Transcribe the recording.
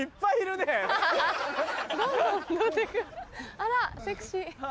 あらセクシー。